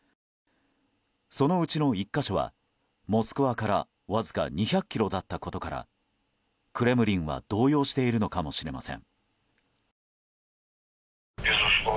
そのうちの１か所はモスクワからわずか２００ｋｍだったことからクレムリンは動揺しているのかもしれません。